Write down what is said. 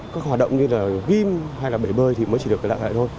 các hoạt động như là ghim hay là bể bơi thì mới chỉ được lặng lại thôi